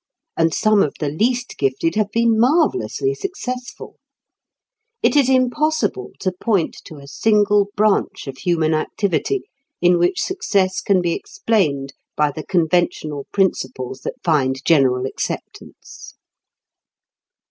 And some of the least gifted have been marvellously successful. It is impossible to point to a single branch of human activity in which success can be explained by the conventional principles that find general acceptance.